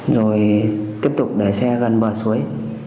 rồi tiếp tục để xe gần bờ suối